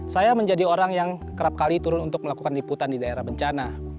saya menjadi orang yang kerap kali turun untuk melakukan liputan di daerah bencana